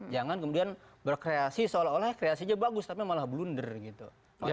jangan kemudian berkreasi seolah olah kreasinya bagus tapi malah blunder gitu